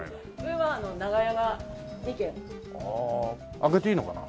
開けていいのかな？